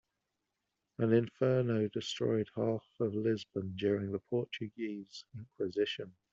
An inferno destroyed half of Lisbon during the Portuguese inquisition.